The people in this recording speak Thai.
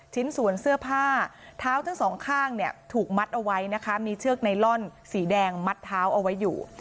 ชิ้นส่วนเสื้อผ้าเท้าทั้งสองข้างเนี่ยถูกมัดเอาไว้นะคะมีเชือกไนลอนสีแดงมัดเท้าเอาไว้อยู่